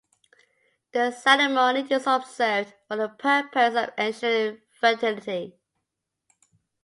The ceremony is observed for the purpose of ensuring fertility.